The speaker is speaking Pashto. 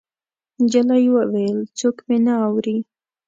نجلۍ وويل: څوک مې نه اوري.